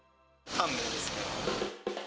タンメンですね。